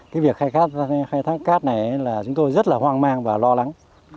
cái việc khai thác cát này là chúng tôi rất là hoang mang và lo lắng